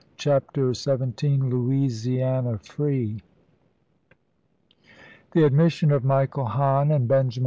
CHAPTER XYII LOUISIANA FREE THE admission of Michael Hahn and Benjamin ch.